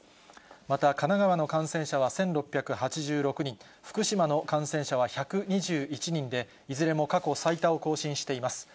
また神奈川の感染者は１６８６人、福島の感染者は１２１人で、いずれも過去最多を更新しています。